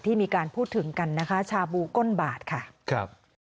มีการพูดถึงกันนะคะชาบูก้นบาทค่ะครับ